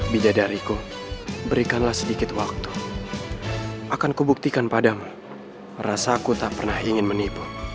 bidadariku berikanlah sedikit waktu akan kubuktikan padamu rasaku tak pernah ingin menipu